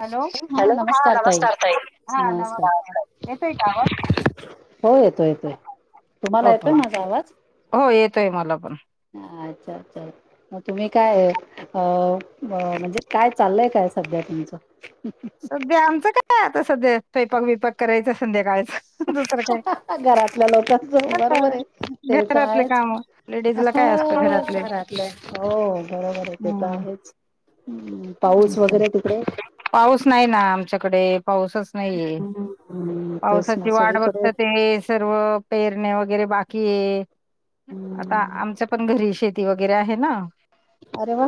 Hello hello हा नमस्कार ताई हा नमस्कार. येतोय का आवाज? हो येतोय येतोय तुम्हाला येतोय माझा आवाज [inaudible] हो येत तोय मला पण. अच्छा अच्छा मग तुम्ही काय अ म म्हणजे काय चाललंय काय सध्या तुमचं? सध्या आमचं काय आता सध्या स्वयंपाक बीपाक करायचा संध्याकाळ घरातल्या लोकांच हा बरोबर आहे ते तर घरातले आहेच काम लेडीजला हो काय असतं घरातले हो बरोबर आहे ते तर आहेच. हम्म पाऊस वगैरे तिकडे पाऊस नाही ना आमच्याकडे पाऊसच नाहीये हम्म तेच ना पावसाची वाढ सगळीकडे बघत ते सर्व पेरणे वगर वगैरे बाकीये आता हम्म आमच्या पण घरी शेती वगैरे आहे ना अरे वा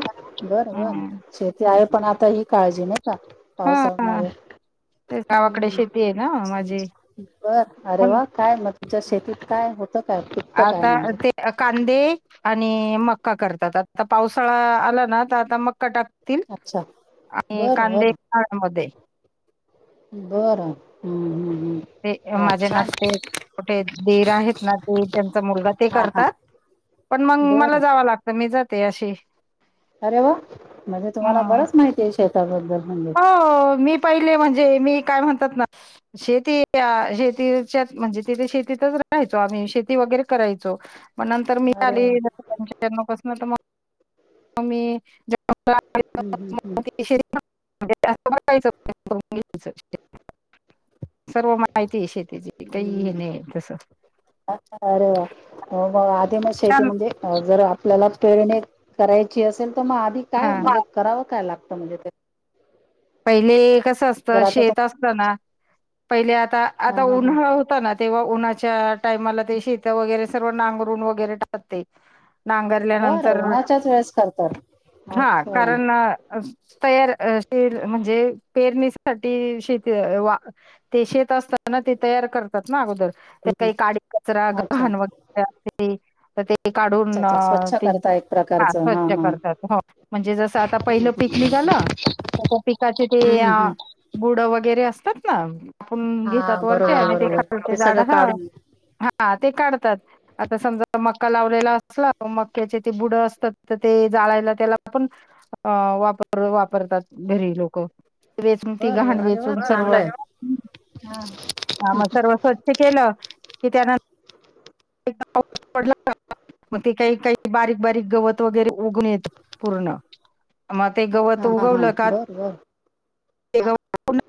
बरं बर हम्म शेती आहे पण आता ही काळजी नाही का हा पावसामध्ये ते गावाकडे हम् शेती आहे ना माझी बर अरे पण वा काय मग तुमच्या शेतीत काय [unintelligible] पिकतं काय आता म्हणजे ते कांदे आणि मका करतात आता पावसाळा आला ना तर आता मका टाक अच्छा बर बर उन्हाळ्यामध्ये बरं हम्म्. ते माझे नाते मोठे दीर आहेत ना ते त्यांचा मुलगा ते हा हा करतात. पण मग मला बरं जावं लागत मी ज ते अशी अरे वा म्हणजे तुम्हाला हं. बरच माहिती आहे शेत ता बद्दल हो मी पहिले म्हणजे मी काय म्हणतात ना शेती शेतीच्या म्हणजे तिथे शेतीतच राहायचो. आम्ही शेती वगैरे करायचो. मग नंतर मी अरे आली वा जन्म कसन तरग आम्ही हम्म हम्म हम्म [unintelligible] [inaudible] सर्व माहिती आहे शेतीची काही हे नाही तस ते म शेती म्हणजे जर आप आपल्याला पेरणी करायची असेल. तर मग आधी काय हा म्हणजे करावं काय लागत. म्हणजे ते पहिले कस. ते कस असत जर आता शेत तुम असत ना. पहिले आता हा आता हा हा उन्हाळा होत ना तेव्हा उन्हाच्या टायमाला ते शेत वगैरे सर्व नांगरून वगैरे टाकते. बरं नांगरल्यानंतर उन्हाच्याच वेळेस करतात हा अच्छा हम्म कारण तयार अ ते म्हणजे पेरणीसाठी शेती वा ते शेत असताना ते तयार करतात ना अगोदर. ते हम्म. काही काडी कचरा अच्छा गहण वगैरे असते तर ते अच्छा काढून अच्छा स्वच्छ ते करता एक हा प्रकारचं स्वच्छ करतात हो म्हणजे जस आता पहिलं पिकनिक आलं त्याच्या पिकाचे हम्म ते हम्म हम्म. गुड वगैरे असत. तत् ना आपण हा घेतात वरते बरोबर आणि ते बरोबर खाते झाड सगळं ह काढून हा ते काढ. आता समजा मक्का लावलेला असला मक्याचे ते बुड असतात तर ते जाळायला त्याला पण वापर वापरतात. घरी लोक वेचून ती बर बर घाण अरे वा वेचून चांगलं आहे. सर्वत हा ह मग सर्व स्वच्छ केलं. कि त्यानंतर पाऊस पडला मग ते काही काही बारीक बारीक गवत वगैरे उगवून येत पूर्ण. मग ते गवत हा हा हा उगवलं का? बर बर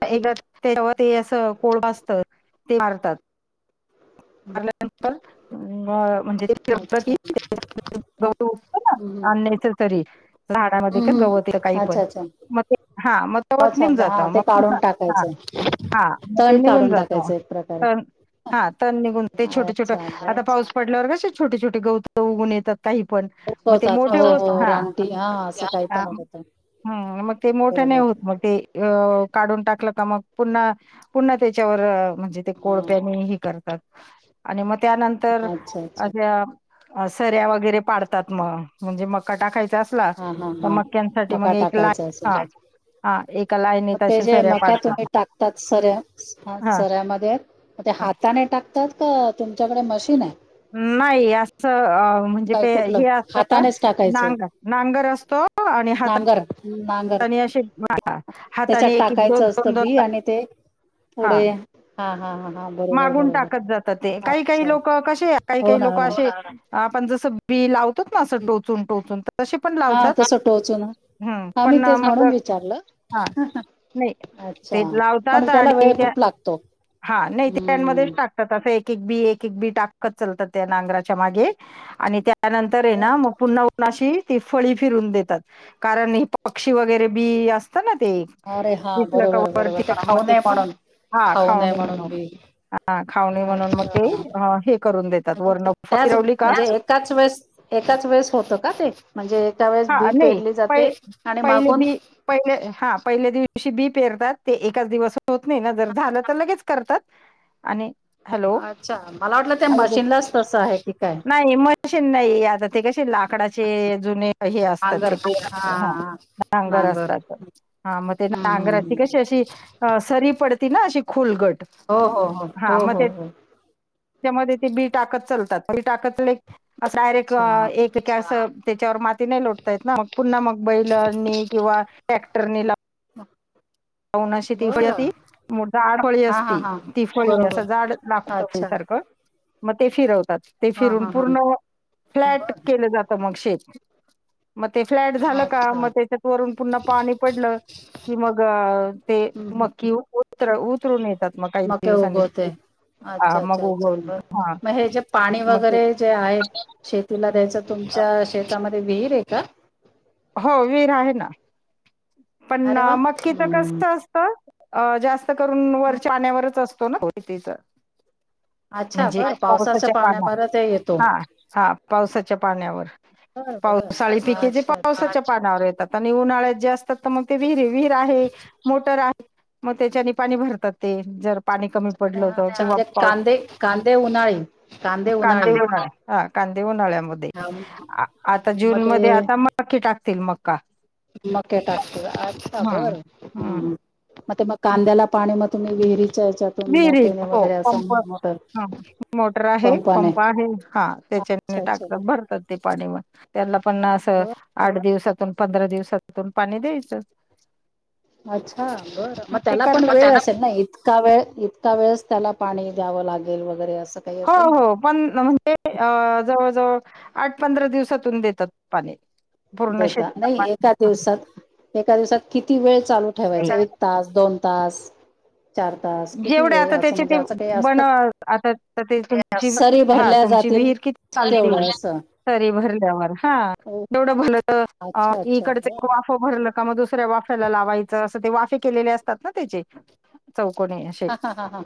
ते गवत असं कोळ ब असत ते मारतात. मारल्यानंतर मग? म्हणजे अच्छा. गत ना हम्म अननेसेसरी झाडामध्ये का हम्म हम्म. गवत काही पण अच्छा अच्छा मग ते हा मगवत अच्छा निघन अच्छा जात हा ते मग काढून टाकायचं हा मग ते तण निघून काढून जात टाकायचं एक प्रकारे. हा तर निघून ते छोटं छोटं अच्छा बर. आता पाऊस पडल्यावर कस असे छोटेछटे गौत उगवून येतात. काही पण मग ते उगवतात हो मोठे होत हो हा रानटी हा असं काही हा पण उगवतात हम् मग अं ते मोठे नाही बरोबर. होत मग ते काढून टाकलं. का मग पुन्हा पुन्हा त्याच्यावर म्हणजे ते हा कोयत्यानी ह ते करतात. आणि म त्यानंतर अच्छा अच्छा सऱ्या म सऱ्या वगैरे पाडतात मग म्हणजे मग कटा खायच. असला हा हा तर हा मक्यांसाठी मका टाकायचा लाईन असेल हा तर हा एका मग लाईनीत ते अशा जे सऱ्या मका पाडतात तुम्ही टाकतात सऱ्या ह हा सऱ्यामध्ये मग ते हा हाताने टाकतात. का तुमच्याकडे मशीन आहे. नाही असं म्हणजे प काय कुठलं हे अस हातानेच टाकायचंय नागर ना? नागर असतो आणि हातात. नांगर नांगर त्याच्यात एक, एक, दोन, टाकायचं दोन, असतं दोन बी आणि ते पुढे हां, हा. हा हा. हा बरोबर मागून टाकत बरोबर जातात ते काही काही अच्छा लोक कसे काही हो काही ना हो लोक ना असे आपण जसं बी लावतो ना असं टोचून टोचून तसे पण हा लावतात. तस टोचून हं, ह मी पण तेच मग म्हणून विचारलं हां, नाही ते अच्छा पण लावतात त्याला आणि वेळ खूप लागतो ते काय ते मधेच हम्म टाकतात असं एक एक बी एक एक बी टाकत चालतात त्या नांगराच्या मागे आणि त्या त्यानंतर आहे बर ना मग पुन्हा ऊणाशी ते फळी फिरून देतात कारण हे पक्षी वगैरे बी असतात ना ते अरे हा दिसलं का बरोबर वरती बरोबर ते हा, मग खाऊ नये खाऊन- म्हणून हा खाऊ नये खावणे म्हणून बी हा खावणे म्हणून मग ते अच्छा अ, हे करून देतात वर्ण त्याच फिरवली का म्हणजे एकाच वेळेस एकाच वेळेस होतं का ते म्हणजे एका वेळेस हा बी नाही पेरली प जाते आणि पहिले मागून बी पहिले हा पहिल्या दिवशी बी पेरतात ते एकाच दिवस होत नाही ना जर झालं तर लगेच हॅलो अच्छा मला वाटलं त्या मशीनलाच तसं आहे की काय मशीन नाही आता ते कशी लाकडाचे नाही ते हे असत नांगर ते हा नांगर सारख हम्म हम्म नागराची ते हम्म. कशी सरी अस पडती ना अशी खोलगट हो हो हो हो हा मग हो ते हो. त्याच्यामध्ये ते बी टाकत चालतात बी टाकतले असा रेक अच्छा एक की असं. त्याच्यावर माती नाही लोडता येत ना म पुन्हा मग बैलांनी किंवा टॅक्टरनी [unintelligible] पावनाशी तिफळीती बरं जाडहळी हा हा असती हा तिफळी असं जाड बरोबर लागत अच्छा सारखं म ते फिरव तात ते हा फिरून हा हा पूर्ण फ्लॅट बरं केलं जातं मग शेत [inaudible] मग ते फ्लॅट झालं का अच्छा मग त्याच्यात वरून पुन्हा पाणी पडलं कि मग अ ते हम्म मकीत उतर उत रुन येतात मग काही मक्या दिवसांनी उगवते अच्छा हां, मग अच्छा अच्छा उगवली बर हा मग हे जे पाणी मग ते वगैरे जे आहे शेतीला द्यायचं अ, तुमच्या शेतामध्ये विहीर आहे का. हो विहीर आहे ना. पण अरे वा ना मक्कीच कस हम्म असत अ जास्त करून हं. वरच्या पाण्यावरच असतो ना अच्छा म्हणजे बरं पावसाच्या पाण्यावर पाण्यामध्ये ते येतो हा हा पावसाच्या पाण्यावर बर बर पावसाळी पिके जे अच्छा अच्छा पावसाच्या पाण्यावर येतात आणि उन्हाळ्यात जे असतात ते मग विहिरीत विहीर आहे मोटर आहे मग त्याच्यानी पाणी भरतात ते जर पाणी कमी पडलं होत अच्छा किंवा म्हणजे पाऊस कांदे कांदे उन्हाळी कांदे उन्हाळी उन्हाळ्या हा कांदे उन्हाळ्यात उन्हाळ्यामध्ये हा, आता मग जूनमध्ये ते आता की टाकतील मग. मके टाकत आछ हम्म बर हम्म हमम मग म कांद्याला पाण नाय मग तुम्ही विहिरीत विहिरीत हो पंप मोटर ह मोटर आहे पंपाने पंप आहे हा त्याच्या अच्छा अच्छा टाकत भरतात ते पाणी त्याला पण अस बर बर आठ दिवसात पंधरा दिवसातून पाणी द्यायचं. अच्छा बरं मग ते त्याला पण वेळ करतात असेल ना इतका वेळ इतक्या वेळेस त्याला पाणी द्यावं लागेल वगै बर [unintelligible] हो हो पण म्हणजे अ जवळजवळ आठ पंधरा दिवसातून देतात पाणी. पूर्ण देता शेताला नाही पाणी एका दिवसात एका दिवसात किती वेळ चालू ते ठेवायच कारण एक तास दोन पास जेवढे आता त्याचे ते बन असतं आता तम सरी हा भरल्या तुमची जातील विहीर किती साल तेवढं असं सरी भर [unintelligible] हा ओ तेवढं भरल तर अच्छा अच्छा बर इकडचं वाफ भरलं. का मग दुसऱ्या वाफ्याला लावायचं असं ते वाफे केलेले असतात ना त्याचे चौ को अशे हा हा हा हा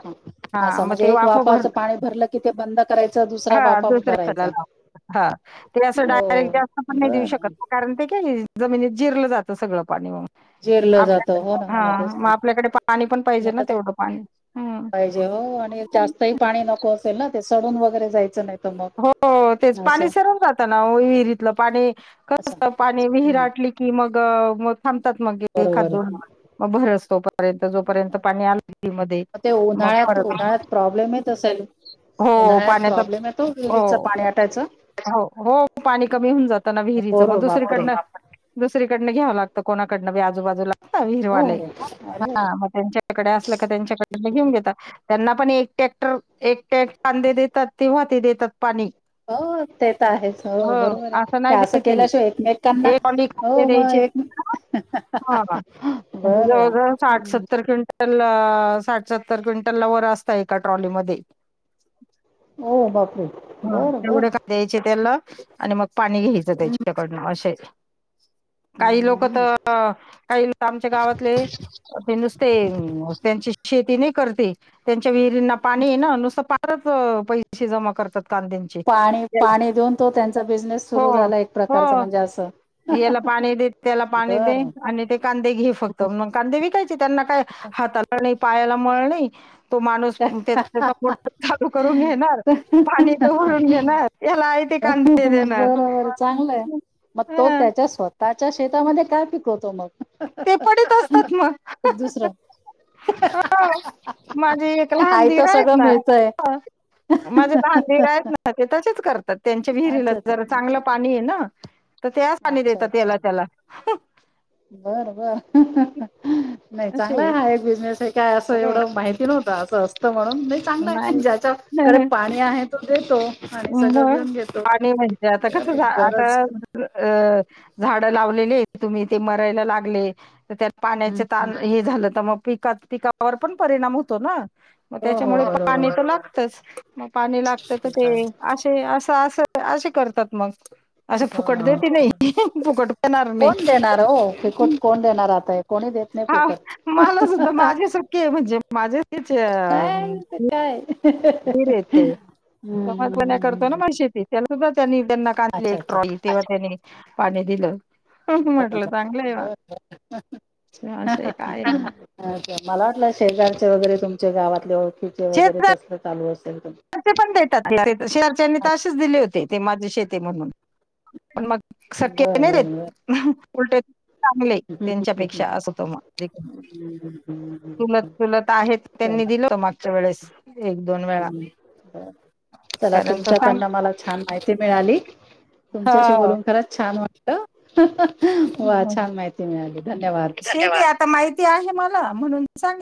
हा असं मग ते म्हणजे एक वाफ भर वाफाचं पाणी भरलं की ते बंद करायचं दुसरा हा वाफा दुसऱ्या भरायचा ला ते अस हो डायरेट जास्त पण नाही देऊ शकत बरं नाही कारण ते काही जमिनीत जिरलं जातं सगळं पाणी म्हणे जिरलं जातं हो ना आपल्या हो हा ना तेच मग नाही आपल्याकडे पाणी पण पाहिजे ना नाही तेवढं पाणी हम्म पाहिजे हो आणि जास्त ह पाणी नको असेल ना सडून वगैरे जायचं नाही. तर मग हो तेच पाणी असं सरम जात ना विहिरीतलं पाणी कस असं पाणी हम्म, विहिरअटली की मग म थांबतात मग एखाद बरोबर आहे. दोन मग भरस तोपर्यंत जोपर्यंत अरे, पाणी आलं त मध्ये मग ते मग उन्हाळ्यात फरक उन्हाळ्यात प्रॉब्लेम येत असेल हो उन्हाळ्यात पाण्याचा प्रॉब्लेम येतो हो विहिरीचं पाणी आटायचं हो हो पाणी कमी होऊन जात ना विहिरीच मग बोर बापरे दुसरीकडन दुसरीकड- घ्यावं लागतं कोणाकडंन बी आजूबाजूला हो विहिरवाले हो अरे हा वा. मग त्यांच्याकडे असल का त्यांच्याकडे घेऊन देतात त्यांना पण एक टॅक्टर एक टॅक् कांदे देतात ते देतात पाणी. हो ते तर आहेच हो बरोबर आहे ते असं केल्याशिवाय एकमेकांना एक ट्रॉली कांदे हो मग द्यायची एक हा म्हणजे बर् जवळजवळ साठ सत्तर क्विंटल ला वर असत एका ट्रॉलीमध्ये. हो बाबा हा तेवढे का द्यायचे त्याला. आणि मग. पाणी घ्यायचं त्याच्याच्याकडनं असे. [unintelligible] काही लोक हम्म. तर काही लोक आमच्या गावातले ते नुसते त्यांची शेती नाही. करते त्यां आमच्या विहिरींना पाणी आहे ना नुस पा खरचं पैसे जमा कर पाणी पाणी देऊन तो त्यांचा बिझनेस हो सुरू झाला एक हो प्रकारच म्हणजे असं. याला पाणी देत त्याला पाणी दे बरं. आणि ते कांदे घे फक्त मग कांदे विकायचे त्यांना काय हाताला नाही पायाला मळ नाही. तो माणूस त्याचा मोटर चालू करून घेणार पाणी इथ भरून घेणार याला आहे ते कांदे देणार बरोबर चांगलंय म तो ह त्याच्या स्वतः त्याच्या शेतामध्ये काय पिकवतो मग. ते पडीत असतात मग दुसरं माझी एक लहान आई तर दिर आहेत सगळं ना मिळतय माझी लहान दिर आहेत ना ते तसेच करतात त्यांच्या विहिरीला अच्छा अच्छा. जरा चांगलं पाणी ये ना. तर त्याच आणि देतात याला त्याला बरं बर नाही असे चांगला आहे हा एक बिझनेस आहे काय असं एवढं माहिती नव्हतं असं असतं म्हणून नाही चांगलं आहे नाही ज्याच्याकडे पाणी आहे तो देतो आणि सगळं मग घेऊन घेतो पाणी म्हणजे आता कस गरज आता झाड लावलेत आहेत ते तुम्ही ते मरायला लागले त्या हम्म पाण्याचे हम्म. तान हे झालं तर मग. पिकात पिकावर पण परिणाम होतो ना मग हो हो त्याच्यामुळे पाणी बरोबर तर लागतच मग पाणी लागत तर ते असं असं असे करतात मग असं फुकट देते हो नाही फुकट देणार नाही कोण देणार हो फुकट कोण देणार आता कोणी देत नाही हा फुकट मला सुद्धा माझे सखे म्हणजे माझे तथ नाही ते काय फिर येत ते समजपण्या करतो ना हम्म म शेती त्याला सुधाच्या नील त्यांना कांदले अच्छा एक ट्रॉली तेव्हा त्यांनी पाणी दिलं अ म्हटलं चांगलं आहे असं एक आहे बाई. मला वाटलं शेजारचे वगैरे तुमच्या गावातल्या वगैरे शेजारचे तस चालू असत पण देतात शेहरच्यानी तरेच अच्छा दिले होते ते माझे शेतती ते म्हणून पण मग सखे बरं नाही बरं बरं देत उलट चांगले त्यांच्यापेक्षा असतग चुलत, चुलत आहेत त्यांनी चला दिलं मग च्या वेळेस एक दोन वेळा बर चला कारण तो सांग तुमच्याकडनं मला छान माहिती मिळाली तुमच्याशी बोलून खरंच छान छान वाटलं वा छान माहिती मिळाली धन्यवाद ठीक आहे आता माहिती आहे मला म्हणून सांगी